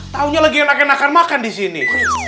taunya lagi enakan enakan makan disini